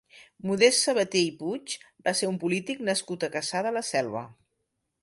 Modest Sabaté i Puig va ser un polític nascut a Cassà de la Selva.